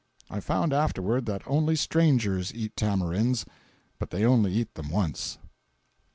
I found, afterward, that only strangers eat tamarinds—but they only eat them once.